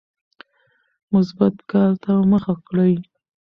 مثبت کار ته مخه کړئ.